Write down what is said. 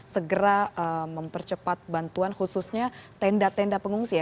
segera mempercepat bantuan khususnya tenda tenda pengungsi ya